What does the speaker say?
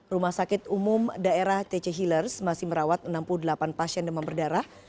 rumah sakit umum daerah tc healers masih merawat enam puluh delapan pasien demam berdarah